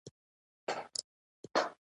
د نږه لغت دي له کومه کړ.